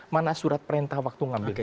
mana surat perintah waktu ngambil